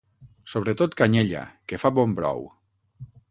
Sobretot canyella, que fa bon brou!